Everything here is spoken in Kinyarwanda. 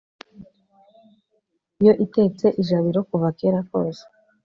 yo itetse ijabiro kuva kera kose